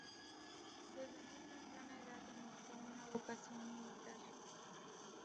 Desde muy temprana edad, demostró una vocación militar.